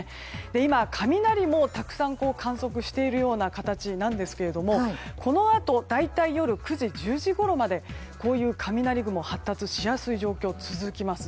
今、雷もたくさん観測しているような形ですがこのあと、大体夜９時１０時ごろまでこういう雷雲が発達しやすい状況が続きます。